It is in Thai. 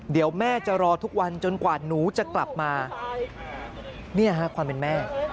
เดี๋ยวแม่จะรอทุกวันจนกว่าหนูจะกลับมาเนี่ยฮะความเป็นแม่